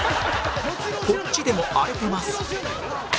こっちでも荒れてます